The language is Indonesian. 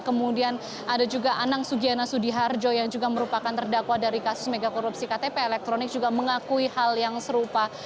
kemudian ada juga anang sugiana sudiharjo yang juga merupakan terdakwa dari kasus megakorupsi ktp elektronik juga mengakui hal yang serupa